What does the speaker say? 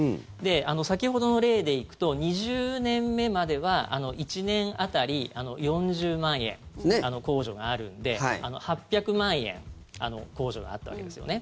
先ほどの例で行くと２０年目までは１年当たり４０万円控除があるんで８００万円控除があったわけですよね。